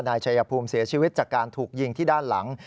ชายภูมิเสียชีวิตจากการถูกยิงที่ด้านหลัง